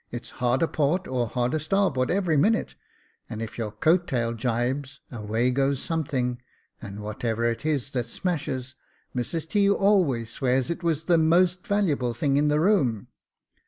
It's hard a port or hard a starboard every minute ; and if your coat tail jibes, away goes something, and whatever it is that smashes, Mrs T. aKvays swears it was the most valuable thing in the room.